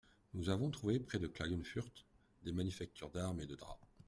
Nous avons trouvé, près de Clagenfurth, des manufactures d'armes et de drap.